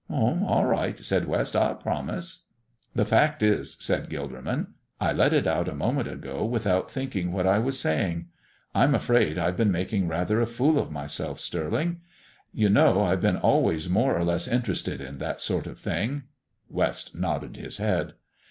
"All right," said West. "I'll promise." "The fact is," said Gilderman, "I let it out a moment ago without thinking what I was saying. I'm afraid I've been making rather a fool of myself, Stirling. You know I've been always more or less interested in that sort of thing. (West nodded his head.)